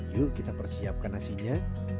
yuk kita persiapkan nasinya